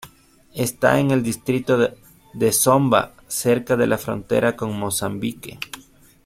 Está en el este del Distrito de Zomba, cerca de la frontera con Mozambique.